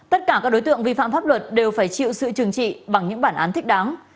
tất cả các đối tượng vi phạm pháp luật đều phải chịu sự trừng trị bằng những bản án thích đáng